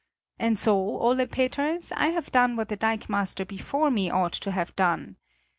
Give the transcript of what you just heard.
And so, Ole Peters, I have done what the dikemaster before me ought to have done.